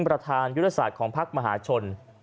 ประธานยุทธศาสตร์ของพักมหาชน